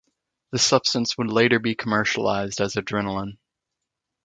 The substance would later be commercialized as adrenaline.